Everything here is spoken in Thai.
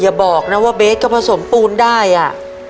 อย่าบอกนะว่าเบสก็ผสมปูนได้อ่ะ